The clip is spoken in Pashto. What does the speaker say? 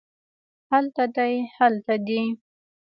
هلته دی هلته دي